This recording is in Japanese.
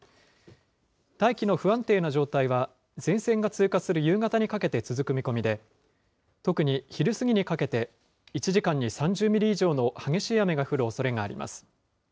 大気の不安定な状態は、前線が通過する夕方にかけて続く見込みで、特に昼過ぎにかけて、１時間に３０ミリ以上の激しい雨が降るおそれがあります。